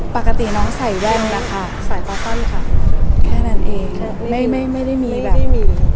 ปกติหนองใส่แว่นใส่ตั้งแค่นั้นเองไม่ได้มีแบบพิเศษ